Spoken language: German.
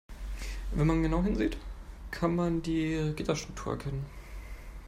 Wenn man genau hinsieht, kann man die Gitterstruktur erkennen.